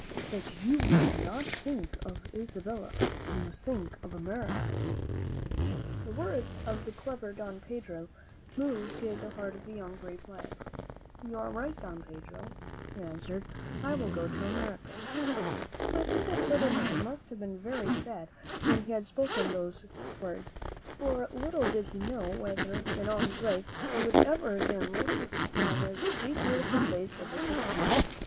You must not think of Isabella; you must think of America." The words of the clever Don Pedro moved the heart of the brave young lad. "You are UllAUDtt ftf/ tUi 80 HOW DE SOTO CAME TO THE FATHER OF WATERS V^ right, Don Pedro," he answered; "I will go to America." I think that Ferdinand must have been very sad when he had spoken these words; for little did he know whether, in all his life, he would ever again look upon the sweet, beautiful face of Isabella.